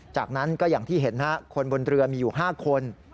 จากนั้นก็อย่างที่เห็นคนบนเรือมีอยู่๕คน